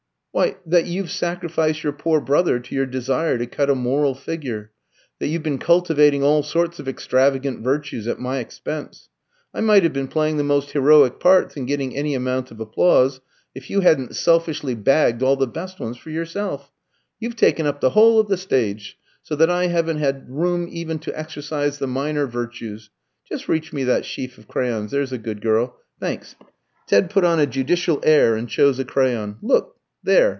"Why, that you've sacrificed your poor brother to your desire to cut a moral figure; that you've been cultivating all sorts of extravagant virtues at my expense. I might have been playing the most heroic parts, and getting any amount of applause, if you hadn't selfishly bagged all the best ones for yourself. You've taken up the whole of the stage, so that I haven't had room even to exercise the minor virtues. Just reach me that sheaf of crayons, there's a good girl. Thanks." Ted put on a judical air, and chose a crayon. "Look there!